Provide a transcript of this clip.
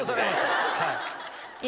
はい。